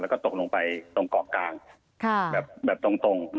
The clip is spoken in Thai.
แล้วก็ตกลงไปตรงเกาะกลางแบบตรง